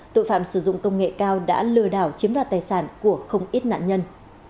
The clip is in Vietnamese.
tội phạm sử dụng công nghệ cao đã lừa đảo chiếm đoạt tài sản của không ít nạn nhân